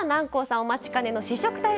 お待ちかねの試食タイム